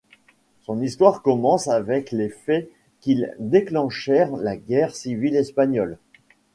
Son histoire commence avec les faits qui déclenchèrent la Guerre civile espagnole.